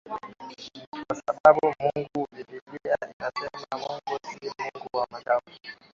kwa sababu mungu bibilia inasema mungu si mungu wa machafu